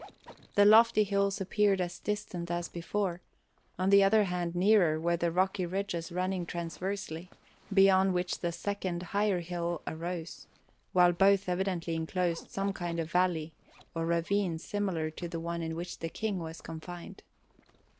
The lofty hills appeared as distant as before; on the other hand nearer were the rocky ridges running transversely, beyond which the second, higher hill arose, while both evidently enclosed some kind of valley or ravine similar to the one in which the King was confined.